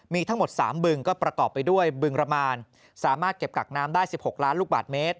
มีทั้งหมด๓บึงก็ประกอบไปด้วยบึงระมานสามารถเก็บกักน้ำได้๑๖ล้านลูกบาทเมตร